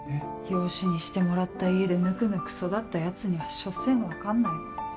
養子にしてもらった家でぬくぬく育ったヤツには所詮分かんないの。